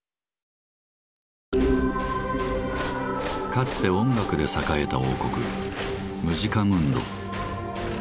かつて音楽で栄えた王国「ムジカムンド」。